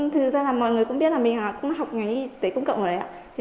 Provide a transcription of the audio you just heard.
thực ra là mọi người cũng biết là mình cũng học ngành y tế công cộng ở đấy ạ